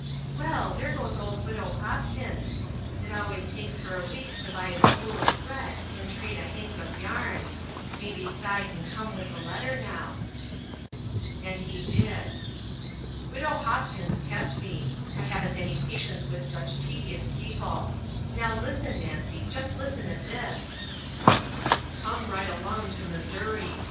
Well, there goes old widow Hopkins it always takes her a week to buy a spool of thread and trade a hank of yarn. Maybe Si can come with the letter, now." And he did: "Widow Hopkins kept me I haven't any patience with such tedious people. Now listen, Nancy just listen at this: "'Come right along to Missouri!